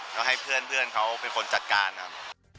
ก็ให้เพื่อนเขาเป็นคนจัดการครับ